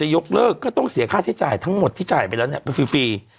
ยกเลิกก็ต้องเสียค่าใช้จ่ายทั้งหมดที่จ่ายไปแล้วเนี่ยไปฟรี